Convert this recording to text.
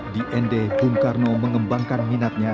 di nd bung karno mengembangkan minatnya